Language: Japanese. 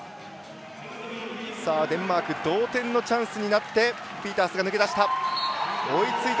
デンマーク同点のチャンスでピータースが抜け出した。